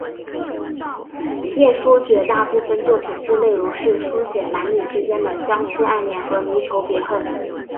晏殊绝大部分作品之内容是抒写男女之间的相思爱恋和离愁别恨。